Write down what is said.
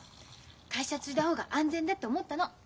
会社継いだ方が安全だって思ったの。